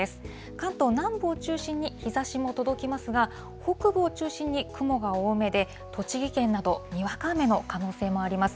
関東南部を中心に日ざしも届きますが、北部を中心に雲が多めで、栃木県などにわか雨の可能性もあります。